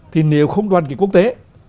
thì nếu không đoàn kết quốc tế